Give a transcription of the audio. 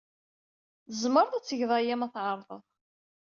Tzemreḍ ad tgeḍ aya ma tɛerḍeḍ.